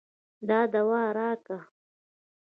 دا دوا راکه.